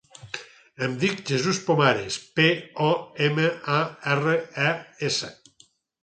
Em dic Jesús Pomares: pe, o, ema, a, erra, e, essa.